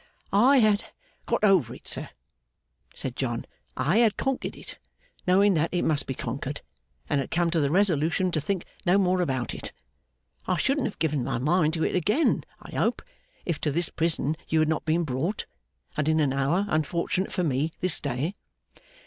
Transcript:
'I had got over it, sir,' said John. 'I had conquered it, knowing that it must be conquered, and had come to the resolution to think no more about it. I shouldn't have given my mind to it again, I hope, if to this prison you had not been brought, and in an hour unfortunate for me, this day!